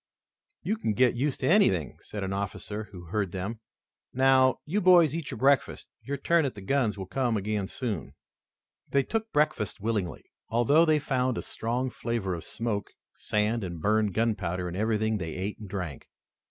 "You can get used to anything," said an officer who heard them. "Now, you boys eat your breakfasts. Your turn at the guns will come again soon." They took breakfast willingly, although they found a strong flavor of smoke, sand, and burned gunpowder in everything they ate and drank.